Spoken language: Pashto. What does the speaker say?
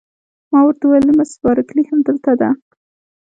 ما ورته وویل: مس بارکلي همدلته ده؟